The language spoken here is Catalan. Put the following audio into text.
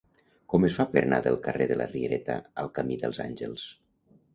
Com es fa per anar del carrer de la Riereta al camí dels Àngels?